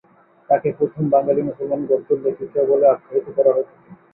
তাকে প্রথম বাঙালি মুসলমান গদ্য লেখিকা বলে আখ্যায়িত করা হয়ে থাকে।